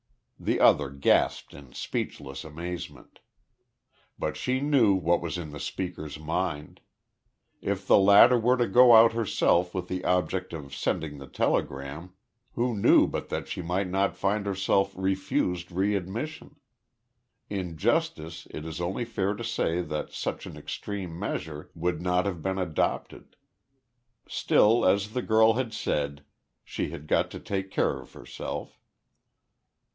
The other gasped in speechless amazement. But she knew what was in the speaker's mind. If the latter were to go out herself with the object of sending the telegram, who knew but that she might not find herself refused re admission? In justice it is only fair to say that such an extreme measure would not have been adopted. Still, as the girl had said, she had got to take care of herself.